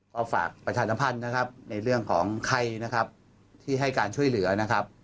ก็ฝากประชาสัมพันธ์นะครับในเรื่องของใครนะครับที่ให้การช่วยเหลือนะครับ